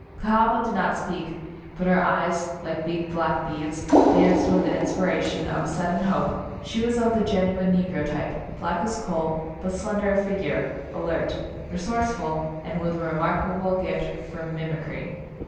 Cahaba did not speak, but her eyes, like big black beads, danced with the in spiration of a sudden hope. She was of the genuine negro type, black as a coal, but slender of figure, alert, resourceful and with a remarkable gift for mimicry.